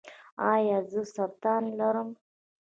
ایا زه سرطان لرم؟